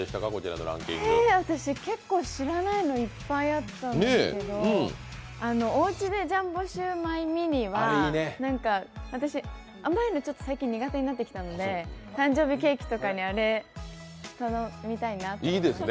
私、結構知らないのいっぱいあったんですけどおうちでジャンボシウマイｍｉｎｉは私、甘いの最近ちょっと苦手になってきたんで、誕生日とかにあれ頼みたいなと思いました。